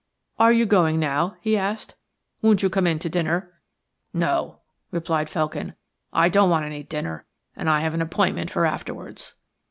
"Are you going now?" he asked. "Won't you come in to dinner? '' "No," replied Felkin, "I don't want any dinner, and I have an appointment for afterwards."